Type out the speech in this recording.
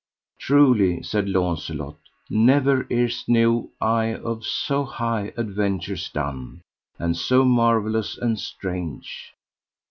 Truly, said Launcelot, never erst knew I of so high adventures done, and so marvellous and strange.